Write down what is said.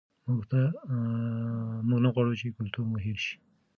موږ نه غواړو چې کلتور مو هېر شي.